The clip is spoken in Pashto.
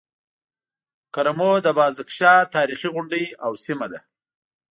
کرمو د بازک شاه تاريخي غونډۍ او سيمه ده.